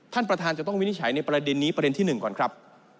ท่านประธานจะต้องวินิจฉัยในประเด็นนี้ประเด็นที่๑ก่อนครับ